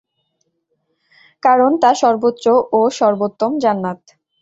কারণ তা সর্বোচ্চ ও সর্বোত্তম জান্নাত।